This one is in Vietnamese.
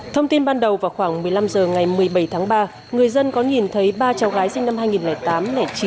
thông tin ban đầu vào khoảng một mươi năm h ngày một mươi bảy tháng ba người dân có nhìn thấy ba cháu gái sinh năm hai nghìn tám chín